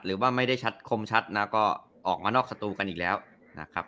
หรือว่าไม่ได้ชัดคมชัดนะก็ออกมานอกสตูกันอีกแล้วนะครับ